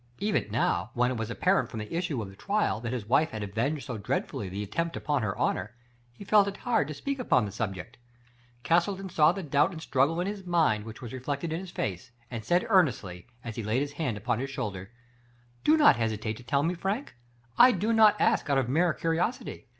Even now, when it was apparent from the issue of the trial that his wife had avenged so dread fully the attempt upon her honor, he felt it hard to speak on the subject. Castleton saw the Digitized by Google BR AM STOKER. "7 doubt and struggle in his mind which was re flected in his face, and said earnestly, as he laid his hand upon his shoulder: " Do not hesitate to tell me, Frank. I do not ask out of mere curiosity.